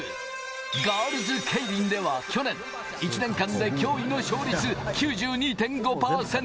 ガールズケイリンでは去年１年間で驚異の勝率９２．５％。